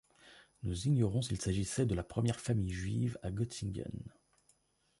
Nous ignorons s'il s'agissait de la première famille juive à Göttingen.